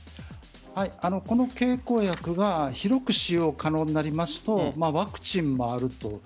この経口薬が広く使用可能になりますとワクチンもあると。